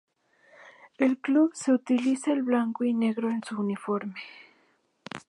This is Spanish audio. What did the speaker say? El club se utiliza el blanco y negro en su uniforme.